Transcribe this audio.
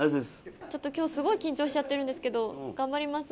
ちょっと今日すごい緊張しちゃってるんですけど頑張ります。